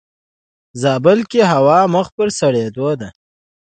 زابل کې هوا مخ پر سړيدو ده.